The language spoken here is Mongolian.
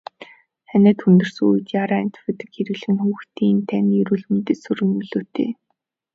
Ханиад хүндэрсэн үед яаран антибиотик хэрэглэх нь хүүхдийн тань эрүүл мэндэд сөрөг нөлөөтэй.